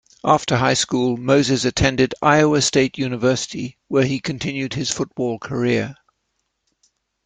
After high school Moses attended Iowa State University where he continued his football career.